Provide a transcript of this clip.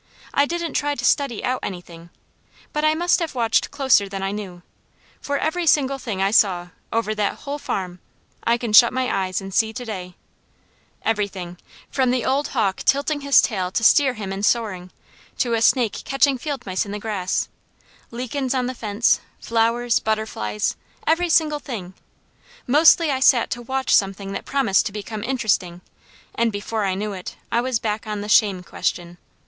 I didn't try to study out anything, but I must have watched closer than I knew, for every single thing I saw then, over that whole farm, I can shut my eyes and see to day; everything, from the old hawk tilting his tail to steer him in soaring, to a snake catching field mice in the grass, lichens on the fence, flowers, butterflies, every single thing. Mostly I sat to watch something that promised to become interesting, and before I knew it, I was back on the shame question.